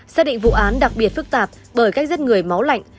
xác định vụ án đặc biệt phức tạp bởi cách giết người máu lạnh